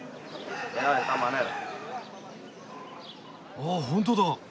あ本当だ。